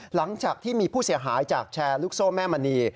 หลังจากที่มีผู้เสียหายจากแชร์ลูกโซ่แม่มณี